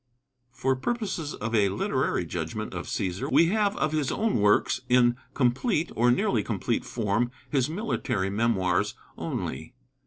For purposes of a literary judgment of Cæsar we have of his own works in complete or nearly complete form his military memoirs only.